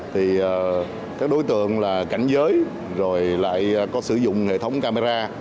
thì các đối tượng là cảnh giới rồi lại có sử dụng hệ thống camera